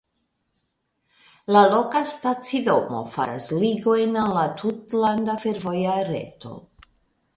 La loka stacidomo faras ligojn al la tutlanda fervoja reto.